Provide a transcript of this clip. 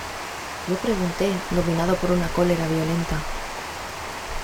yo pregunté, dominado por una cólera violenta: